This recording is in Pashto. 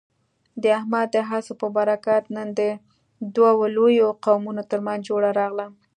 د احمد د هڅو په برکت، نن د دوو لویو قومونو ترمنځ جوړه راغله.